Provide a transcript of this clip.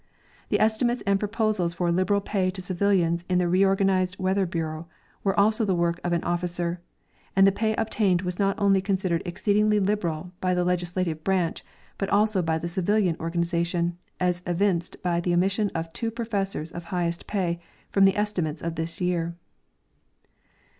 The estimates and proposals for liberal pay to civilians in the reorganized Weather bureau were also the work of an officer, and the jDay obtained was not only considered exceedingly liberal by the legislative branch but also by the civilian organ ization, as evinced by the omission of two professors of liighest pay from the estimates of this year.